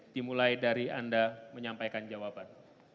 dimulai dari anda menyampaikan jawaban